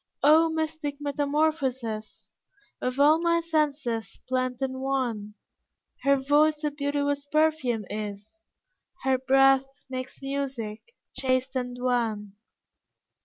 O mystic metamorphosis Of all my senses blent in one! Her voice a beauteous perfume is, Her breath makes music, chaste and wan.